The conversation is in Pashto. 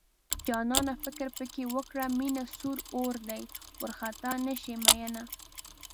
جانانه فکر پکې وکړه مينه سور اور دی وارخطا نشې مينه